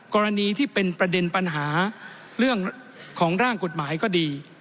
กรณีที่เป็นประเด็นปัญหาเรื่องของร่างกฎหมายก็ดี